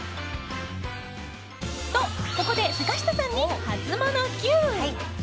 と、ここで坂下さんにハツモノＱ。